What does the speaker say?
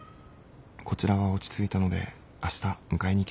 こちらは落ち着いたので明日迎えに行きます。